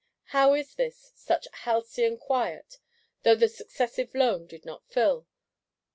How is this; such halcyon quiet; though the Successive Loan did not fill?